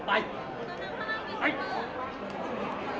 เพลงพี่หวาย